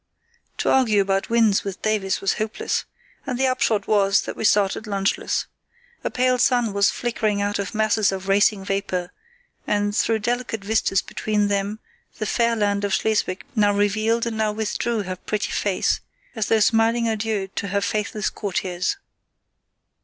To argue about winds with Davies was hopeless, and the upshot was that we started lunchless. A pale sun was flickering out of masses of racing vapour, and through delicate vistas between them the fair land of Schleswig now revealed and now withdrew her pretty face, as though smiling adieux to her faithless courtiers.